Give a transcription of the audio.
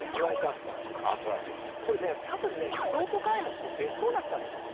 アスパラとかこれね多分ねリゾート開発で別荘だったんですよ